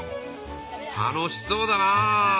楽しそうだなあ。